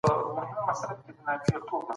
لومړنيو ټولنپوهانو د ښاري ژوند په اړه څېړنې کولې.